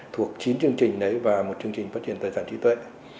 thuộc chín chương trình đấy và một chương trình phát triển tài sản trí tuệ